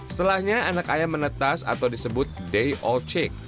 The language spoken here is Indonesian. setelahnya anak ayam menetas atau disebut day all check